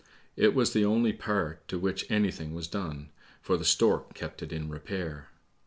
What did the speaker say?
It was the only part to which anything was done, for the stork kept it in repair.